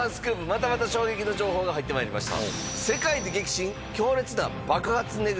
またまた衝撃の情報が入って参りました。